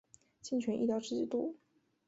健全医疗制度